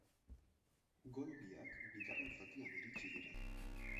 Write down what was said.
Gol biak bigarren zatian iritsi dira.